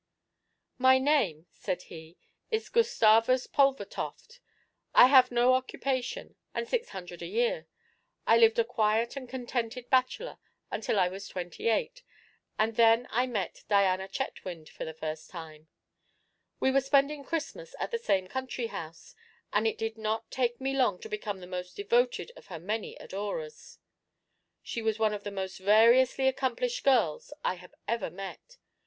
'My name,' said he, 'is Gustavus Pulvertoft. I have no occupation, and six hundred a year. I lived a quiet and contented bachelor until I was twenty eight, and then I met Diana Chetwynd for the first time. We were spending Christmas at the same country house, and it did not take me long to become the most devoted of her many adorers. She was one of the most variously accomplished girls I had ever met.